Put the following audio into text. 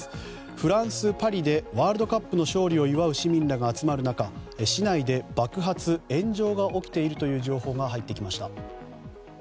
フランス・パリでワールドカップの勝利を祝う市民らが集まる中市内で爆発・炎上が起きているという情報が入ってきました。